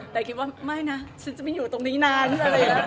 แต่คิดว่าไม่นะฉันจะไม่อยู่ตรงนี้นานไป